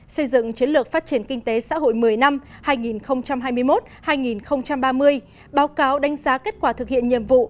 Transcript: xây dựng chiến lược phát triển kinh tế xã hội một mươi năm hai nghìn hai mươi một hai nghìn ba mươi báo cáo đánh giá kết quả thực hiện nhiệm vụ